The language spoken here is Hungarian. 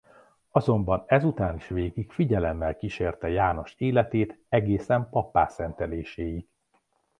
Azonban ezután is végig figyelemmel kísérte János életét egészen pappá szenteléséig.